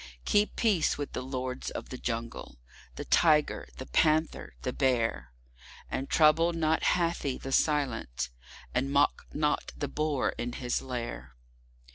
Keep peace with the Lords of the Jungle—the Tiger, the Panther, the Bear; And trouble not Hathi the Silent, and mock not the Boar in his lair.